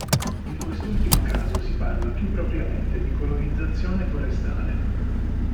In quest'ultimo caso si parla più propriamente di colonizzazione forestale.